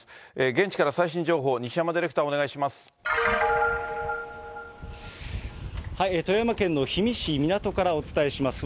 現地から最新情報を西山ディレクター、お願いします。